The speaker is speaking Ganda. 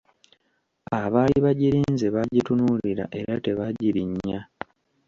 Abaali bagirinze baagitunuulira era tebaagirinya.